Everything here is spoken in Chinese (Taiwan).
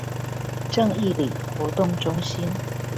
正義里活動中心